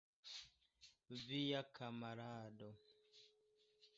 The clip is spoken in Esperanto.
Via kamarado.